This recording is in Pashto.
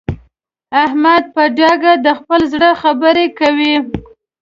احمد په ډاګه د خپل زړه خبره کوي.